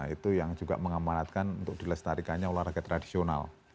itu yang juga mengamanatkan untuk dilestarikannya olahraga tradisional